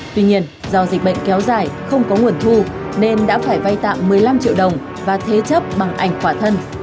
tuy nhiên do dịch bệnh kéo dài không có nguồn thu nên đã phải vay tạm một mươi năm triệu đồng và thế chấp bằng ảnh quả thân